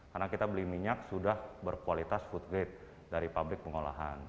karena kita beli minyak sudah berkualitas food grade dari pabrik pengolahan